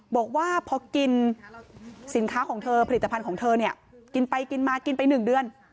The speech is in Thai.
บอกว่าพอกินสินค้าของเธอผลิตภัณฑ์ของเธอเนี่ยกินไปกินมากินไป๑เดือน